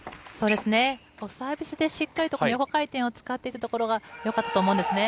サービスでしっかりと横回転を使っていたところがよかったと思うんですね。